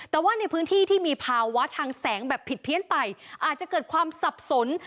แต่ว่าในพื้นที่ที่มีภาวะทางแสงแบบผิดเพี้ยนไปอาจจะเกิดความสับสน